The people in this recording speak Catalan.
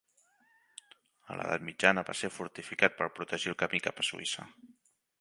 A l'Edat Mitjana va ser fortificat per protegir el camí cap a Suïssa.